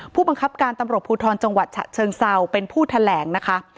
ผู้บังคับการตำรวจภูทรจังหวัดฉะเชิงเซาเป็นผู้แถลงนะคะ